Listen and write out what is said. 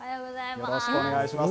よろしくお願いします。